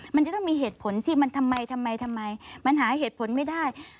มันจะต้องมีเหตุผลสิมันทำไมทำไมมันหาเหตุผลไม่ได้